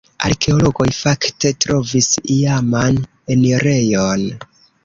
Arkeologoj fakte trovis iaman enirejon.